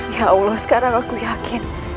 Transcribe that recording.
ya allah sekarang aku yakin